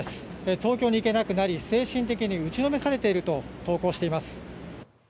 東京に行けなくなり精神的に打ちのめされていると投稿しています。